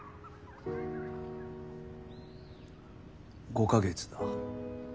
５か月だ。